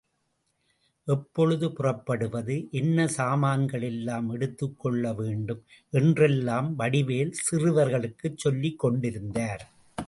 எப்பொழுது புறப்படுவது, என்ன சாமான்கள் எல்லாம் எடுத்துக்கொள்ள வேண்டும் என்றெல்லாம் வடிவேல் சிறுவர்களுக்குச் சொல்லிக் கொண்டிருந்தார்.